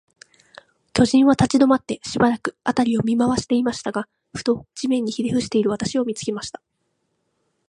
巨人は立ちどまって、しばらく、あたりを見まわしていましたが、ふと、地面にひれふしている私を、見つけました。